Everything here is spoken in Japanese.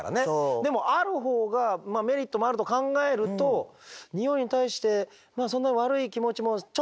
でもあるほうがメリットもあると考えるとにおいに対してそんな悪い気持ちもちょっと少なくなってきたなっていう。